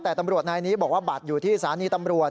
แต่ตำรวจนายนี้บอกว่าบัตรอยู่ที่สถานีตำรวจ